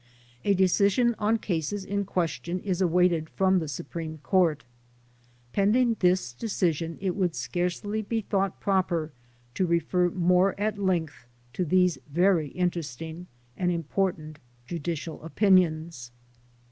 A decision on the cases in question is awaited from the Supreme Court Pending. (Ins .decision it would scarcely be thought proper to i^ef er. c^bre at length to these very interesting and important judicial opinions.